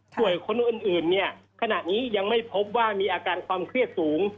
คนอื่นเนี่ยขณะนี้ยังไม่พบว่ามีอาการความเครียดสูง